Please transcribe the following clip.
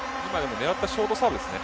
狙ったショートサーブですね。